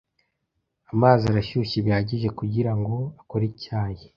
Amazi arashyushye bihagije kugirango akore icyayi?